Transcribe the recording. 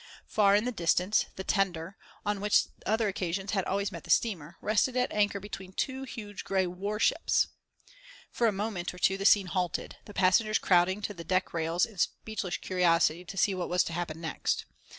Far in the distance the tender, which on other occasions had always met the steamer, rested at anchor between two huge grey warships. For a moment or two the scene halted, the passengers crowding to the deckrails in speechless curiosity to see what was to happen next.